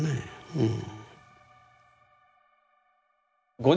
うん。